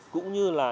cũng như là